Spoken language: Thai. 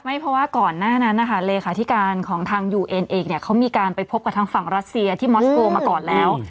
เพราะว่าก่อนหน้านั้นนะคะเลขาธิการของทางยูเอ็นเองเนี่ยเขามีการไปพบกับทางฝั่งรัสเซียที่มอสโกมาก่อนแล้ว